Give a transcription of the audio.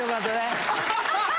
アハハハ！